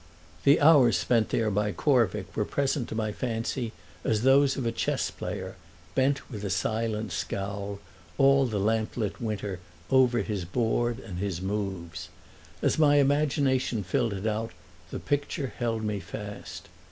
The hours spent there by Corvick were present to my fancy as those of a chessplayer bent with a silent scowl, all the lamplit winter, over his board and his moves. As my imagination filled it out the picture held me fast.